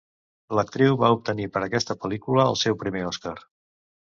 L'actriu va obtenir per aquesta pel·lícula el seu primer Oscar.